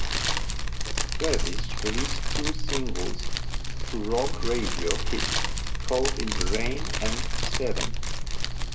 Revis released two singles to rock radio hits, "Caught in the Rain", and "Seven".